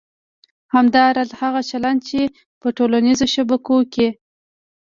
همداراز هغه چلند چې په ټولنیزو شبکو کې